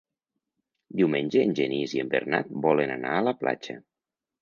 Diumenge en Genís i en Bernat volen anar a la platja.